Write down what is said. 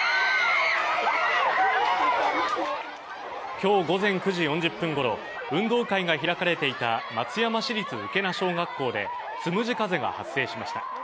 きょう午前９時４０分ごろ、運動会が開かれていた松山市立浮穴小学校で、つむじ風が発生しました。